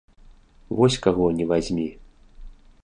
Вось каго ні вазьмі!